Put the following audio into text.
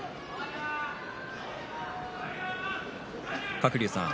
鶴竜さん